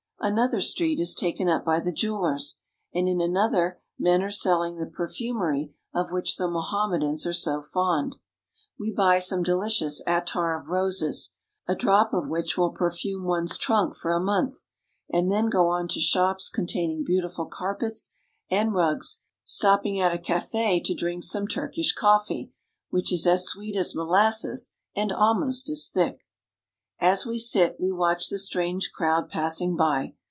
Another street is teken up by the jew ^ers, and in another men are selling the perfumery of which the Mohammedans are so fond. Wc buy some delicious attar of roses, a drop of which will perfume one's trunk for a month, and then go 1 to shops containing beautiful carpets and rugs, stop ing at a cafe to drink some Turkish coffee, which is as weet as molasses and almost as thick, s we sit, we watch the strange crowd passing by.